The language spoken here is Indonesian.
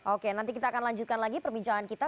oke nanti kita akan lanjutkan lagi perbincangan kita